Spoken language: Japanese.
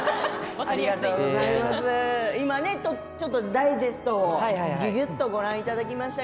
今ダイジェストぎゅぎゅっとご覧いただきました。